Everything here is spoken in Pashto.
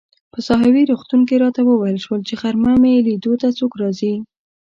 په ساحوي روغتون کې راته وویل شول چي غرمه مې لیدو ته څوک راځي.